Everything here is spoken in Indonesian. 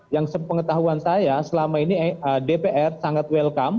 yang sepengetahuan saya selama ini dpr sangat welcome